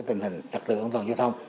tình hình trật tự an toàn giao thông